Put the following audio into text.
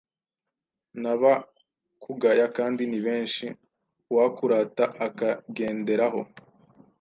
Nabakugaya kandi ni bensh Uwakurata akagenderaho,